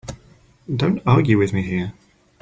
Don't argue with me here.